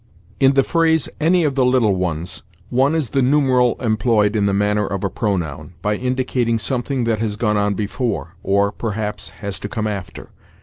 In the phrase, "any of the little ones," one is the numeral employed in the manner of a pronoun, by indicating something that has gone before, or, perhaps, has to come after.